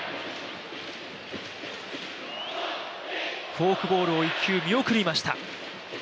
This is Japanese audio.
フォークボールを１球見送りました。